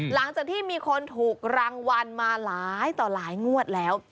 หลังจากที่มีคนถูกรางวัลมาหลายต่อหลายงวดแล้ว